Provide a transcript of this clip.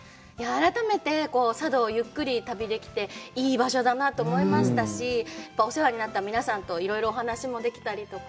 改めて佐渡をゆっくり旅できて、いい場所だなと思いましたし、お世話になった皆さんといろいろお話しもできたりとか。